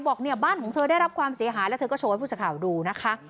บอกเนี่ยบ้านของเธอได้รับความเสียหายแล้วเธอก็โชว์ให้ผู้สื่อข่าวดูนะคะ